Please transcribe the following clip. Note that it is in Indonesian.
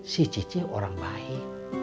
si cici orang baik